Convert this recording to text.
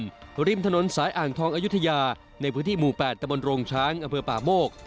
รถจักรยานยนต์ริมถนนสายอ่างทองอายุทยาในพื้นที่หมู่๘ตะบนโรงช้างอเผือป่าโมก